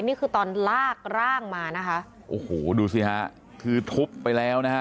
นี่คือตอนลากร่างมานะคะโอ้โหดูสิฮะคือทุบไปแล้วนะฮะ